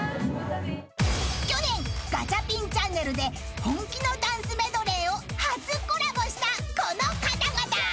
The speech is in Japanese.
［去年ガチャピンちゃんねるで本気のダンスメドレーを初コラボしたこの方々］